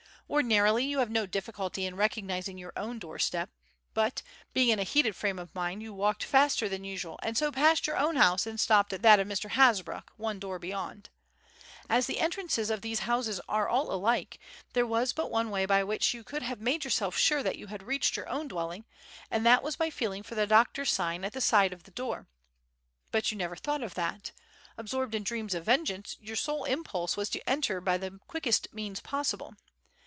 "Ordinarily you have no difficulty in recognizing your own doorstep. But, being in a heated frame of mind, you walked faster than usual and so passed your own house and stopped at that of Mr. Hasbrouck, one door beyond. As the entrances of these houses are all alike, there was but one way by which you could have made yourself sure that you had reached your own dwelling, and that was by feeling for the doctor's sign at the side of the door. But you never thought of that. Absorbed in dreams of vengeance, your sole impulse was to enter by the quickest means possible.